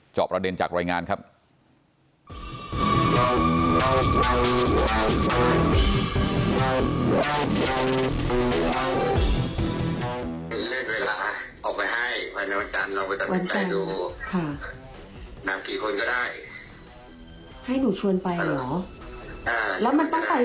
อบประเด็นจากรายงานครับ